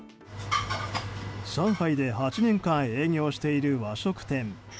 上海で８年間営業している和食店。